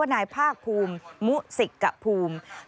นายพากภูมิหมุศิกกะภูมี